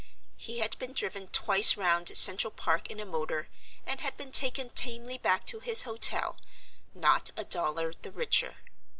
He had been driven twice round Central Park in a motor and had been taken tamely back to his hotel not a dollar the richer.